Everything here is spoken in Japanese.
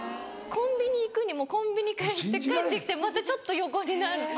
コンビニ行くにもコンビニ行って帰って来てまたちょっと横になる。